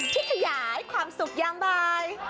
ที่ขยายความสุขยังใบ